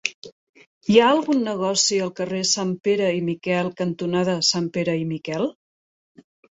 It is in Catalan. Hi ha algun negoci al carrer Sanpere i Miquel cantonada Sanpere i Miquel?